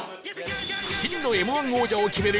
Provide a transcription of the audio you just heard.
真の Ｍ−１ 王者を決める